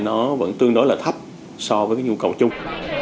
nó vẫn tương đối là thấp so với cái nhu cầu chung